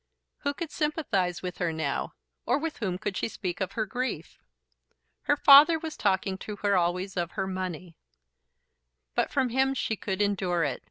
Who could sympathise with her now, or with whom could she speak of her grief? Her father was talking to her always of her money; but from him she could endure it.